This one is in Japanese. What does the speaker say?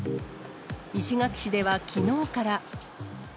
石垣市ではきのうから。